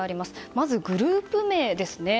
まず、グループ名ですね。